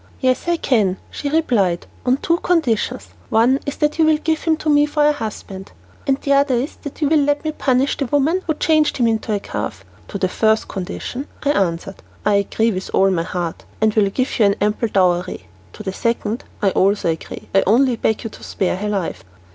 "Yes, I can," she replied, "on two conditions. One is that you will give him to me for a husband, and the other is that you will let me punish the woman who changed him into a calf." "To the first condition," I answered, "I agree with all my heart, and I will give you an ample dowry. To the second I also agree, I only beg you to spare her life."